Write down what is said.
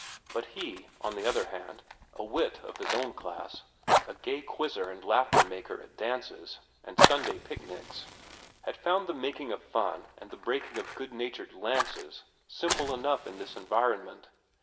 But he, on the other hand, a wit in his own class, a gay quizzer and laughter maker at dances and Sunday picnics, had found the making of fun and the breaking of good natured lances simple enough in this environment.